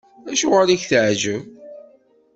Acuɣeṛ i ak-teɛǧeb?